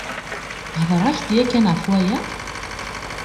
Hedreɣ-ak-d yakan ɣef aya?